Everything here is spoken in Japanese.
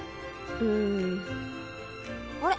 うん。あれ？